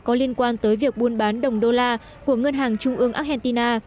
có liên quan tới việc buôn bán đồng đô la của ngân hàng trung ương argentina